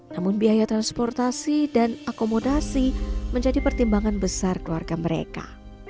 namun biaya transportasi dan akomodasi menjadi pertimbangan besar keluarga mereka